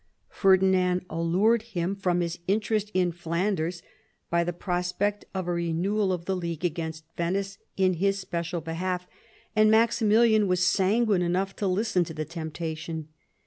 Fer 28 THOMAS WOLSEY chap. dinand allured him from his interest in Flanders by the prospect of a renewal of the League against Venice in his special behalf, and Maximilian was sanguine enough to listen to the temptation.